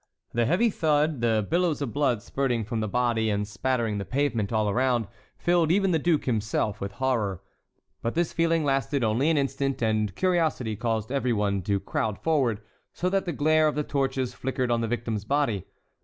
The heavy thud, the billows of blood spurting from the body and spattering the pavement all around, filled even the duke himself with horror; but this feeling lasted only an instant, and curiosity caused every one to crowd forward, so that the glare of the torches flickered on the victim's body.